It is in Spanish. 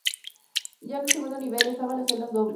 Ya en el segundo nivel, estaban las celdas dobles.